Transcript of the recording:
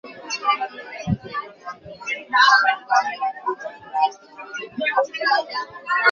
তবে বর্তমানে বেশ ভালো অবস্থানে রয়েছে জাত কাছিম ও ধুম কাছিম।